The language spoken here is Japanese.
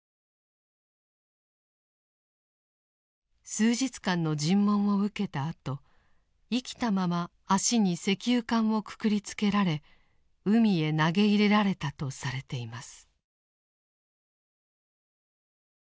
数日間の尋問を受けたあと生きたまま足に石油缶をくくりつけられ海へ投げ入れられたとされています。